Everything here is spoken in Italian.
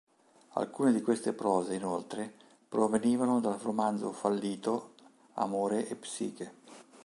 Alcune di queste prose, inoltre, provenivano dal romanzo "fallito" "Amore e psiche".